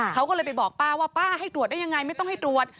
เขาก็เลยไปบอกป้าว่าป้าให้ตรวจได้ยังไงไม่ต้องให้ตรวจ